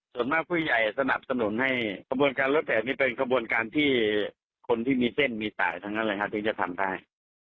ส่วนมากผู้ใหญ่สนับสนุนให้กระบวนการรถแบบนี้เป็นขบวนการที่คนที่มีเส้นมีสายทั้งนั้นเลยครับถึงจะทำได้